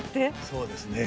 そうですね。